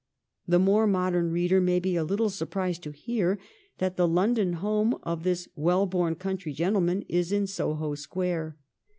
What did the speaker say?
The more modern reader may be a little surprised to hear that the London home of this well born country gentleman is in Soho Square.